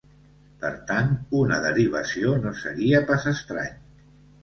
Per tant, una derivació no seria pas estrany.